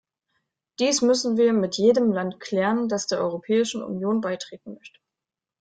Dies müssen wir mit jedem Land klären, das der Europäischen Union beitreten möchte.